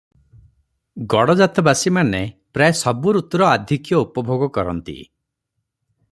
ଗଡଜାତବାସିମାନେ ପ୍ରାୟ ସବୁ ଋତୁର ଆଧିକ୍ୟ ଉପଭୋଗ କରନ୍ତି ।